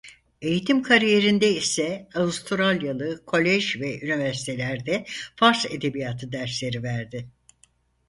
Eğitim kariyerinde ise Avustralyalı kolej ve üniversitelerde Fars edebiyatı dersleri verdi.